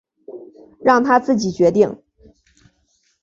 让他自己决定